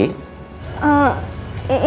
ini mas maaf kalau kiki ganggu